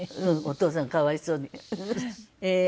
お父さんかわいそうに。